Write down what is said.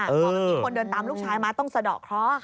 บอกว่ามีคนเดินตามลูกชายมาต้องเสดอกเคราะห์ค่ะ